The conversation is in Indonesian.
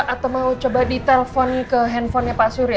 atau mau coba di telpon ke handphonenya pak surya